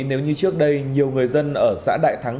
nếu như trước đây nhiều người dân ở xã đại thắng